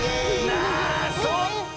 あそっか！